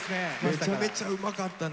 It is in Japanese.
めちゃめちゃうまかったね。